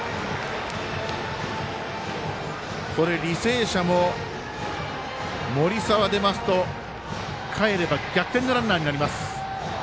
履正社も森澤、出ますとかえれば逆転のランナーになります。